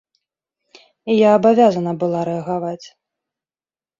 І я абавязана была рэагаваць.